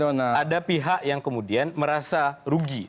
ada pihak yang kemudian merasa rugi